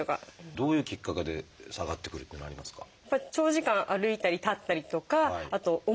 どういうきっかけで下がってくるっていうのありますか？